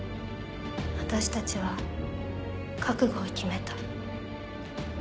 私たちは覚悟を決めた。